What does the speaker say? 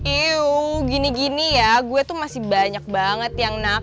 iu gini gini ya gue tuh masih banyak banget yang nakal